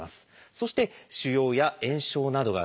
そして腫瘍や炎症などがないと。